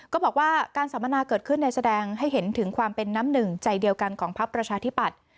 ก็บอกว่าการสัมมนาเกิดขึ้นแสดงให้เห็นถึงความเป็นน้ำหนึ่งใจเดียวกันของพักประชาธิปัตย์